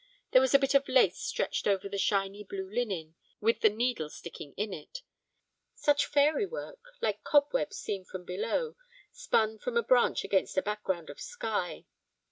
There was a bit of lace stretched over shiny blue linen, with the needle sticking in it; such fairy work, like cobwebs seen from below, spun from a branch against a background of sky.